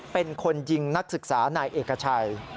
เป็นคนยิงนักศึกษานายเอกชัย